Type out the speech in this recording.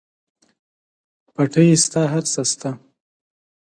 پټی شته هر څه شته.